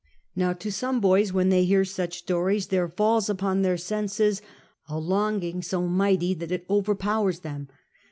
Now to some boys, when they hear such stories, there I ,S£A SICKNESS II falls upon their senses a longing so mighty that it over powers them.